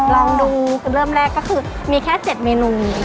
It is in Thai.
ลองดูคือเริ่มแรกก็คือมีแค่๗เมนู